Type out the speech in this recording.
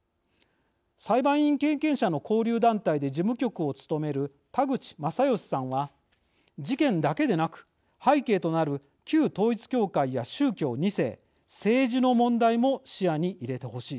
裁判員経験者の交流団体で事務局を務める田口真義さんは「事件だけでなく背景となる旧統一教会や宗教２世政治の問題も視野に入れてほしい。